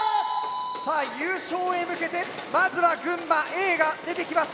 さあ優勝へ向けてまずは群馬Ａが出てきます。